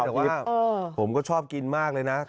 แต่ว่าผมก็ชอบกินมากเลยนะ